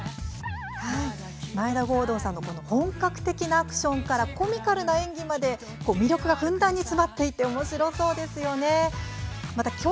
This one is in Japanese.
眞栄田郷敦さんの本格的なアクションからコミカルな演技まで魅力がふんだんに詰まっていておもしろそうですよね。